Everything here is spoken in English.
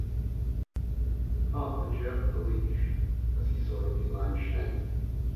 The pup jerked the leash as he saw a feline shape.